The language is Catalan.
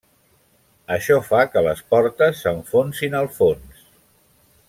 Això fa que les portes s'enfonsin al fons.